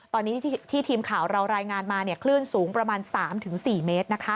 ตอนนี้ที่ทีมข่าวเรารายงานมาคลื่นสูงประมาณ๓๔เมตร